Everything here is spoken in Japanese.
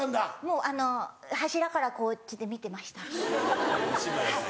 もうあの柱からこっちで見てました。